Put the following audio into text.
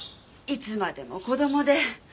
いつまでも子供で。